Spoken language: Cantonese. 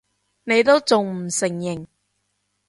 你都仲唔承認！